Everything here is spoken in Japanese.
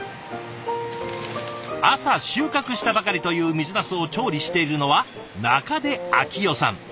朝収穫したばかりという水なすを調理しているのは中出明代さん。